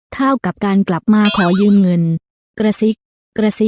เท่ากับการกลับมาขอยืมเงินกระซิกกระซิ